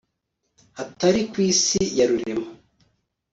hatari ku isi ya rurema